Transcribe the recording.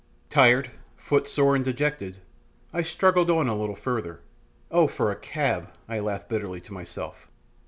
Tired, footsore, and dejected, I struggled on a little further. Oh for a cab, I laughed bitterly to myself.